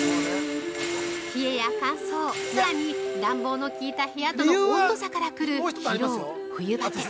冷えや乾燥、さらに暖房の効いた部屋との温度差からくる疲労、冬ばて！